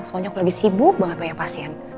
soalnya aku lagi sibuk banget banyak pasien